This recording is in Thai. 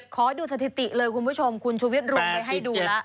ขอดูสถิติเลยคุณผู้ชมคุณชูวิทย์รวมไว้ให้ดูแล้ว